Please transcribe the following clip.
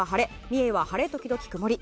三重は晴れ時々曇り。